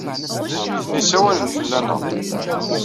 Nitni ssawalen fell-aneɣ.